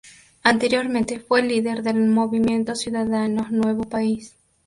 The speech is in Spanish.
Anteriormente, fue líder del Movimiento Ciudadano Nuevo País.